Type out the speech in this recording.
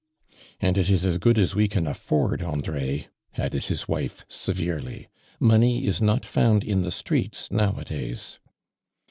" And it is as good as we can afford, Andre," added his wife, severely. "Money is not found in the streets, now a days."